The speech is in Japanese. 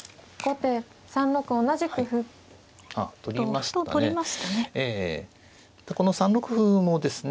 でこの３六歩もですね